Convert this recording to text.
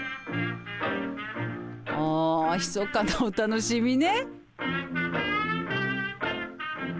あひそかなお楽しみね。